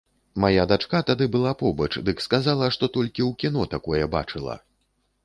Мая дачка тады была побач, дык сказала, што толькі ў кіно такое бачыла.